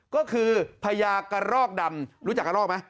ก็คือพญากระรอกดำรู้จักกระรอกไหม